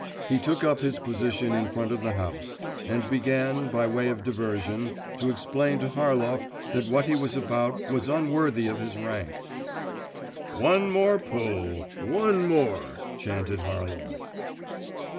He took up his position in front of the house, and began, by way of diversion, to explain to Harlov that what he was about was unworthy of his rank.… 'One more pull! one more!' chanted Harlov.